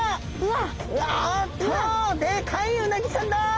わっとでかいうなぎちゃんだ！